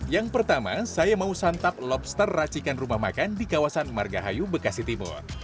yang pertama saya mau santap lobster racikan rumah makan di kawasan margahayu bekasi timur